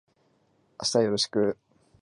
明日はよろしく